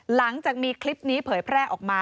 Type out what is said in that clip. หลังจากมีคลิปนี้เผยแพร่ออกมา